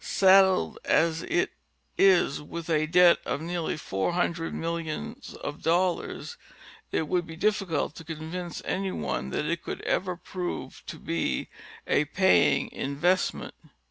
Saddled as it is with a debt of nearly four hundred millions of dollars, it would be difiicult to convince any one that it could ever prove to be a paying investment.